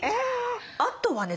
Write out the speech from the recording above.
あとはね